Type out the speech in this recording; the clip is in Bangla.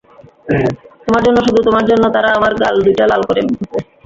তোমার জন্য, শুধু তোমার জন্য তারা আমার গাল দুইটা লাল করে দিসে।